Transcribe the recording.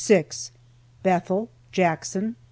BETHEL. JACKSON.